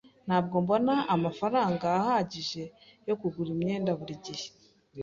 Ntabwo mbona amafaranga ahagije yo kugura imyenda buri gihe.